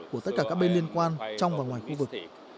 của tất cả các bên liên quan trong và ngoài khu vực